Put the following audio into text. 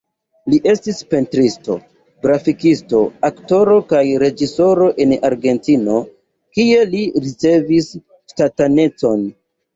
Li estis pentristo, grafikisto, aktoro kaj reĝisoro en Argentino, kie li ricevis ŝtatanecon.